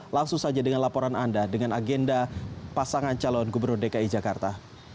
langsung saja dengan laporan anda dengan agenda pasangan calon gubernur dki jakarta